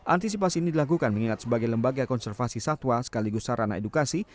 antisipasi ini dilakukan mengingat sebagai lembaga konservasi satwa sekaligus sarana edukasi